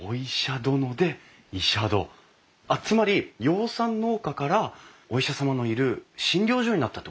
あっつまり養蚕農家からお医者様のいる診療所になったってことですか？